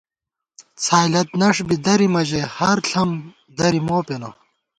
څھائیلَت نݭ بی درِمہ ژَئی ہر ݪم دری مو پېنہ